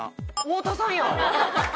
太田さんや！